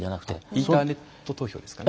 インターネット投票ですかね？